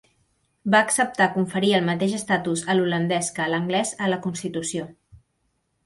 Va acceptar conferir el mateix estatus a l'holandès que a l'anglès a la constitució.